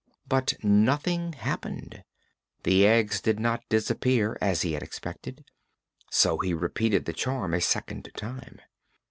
But nothing happened. The eggs did not disappear, as he had expected; so he repeated the charm a second time.